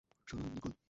শোনো, নিকোল!